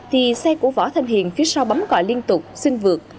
thì xe của võ thanh hiền phía sau bấm còi liên tục xin vượt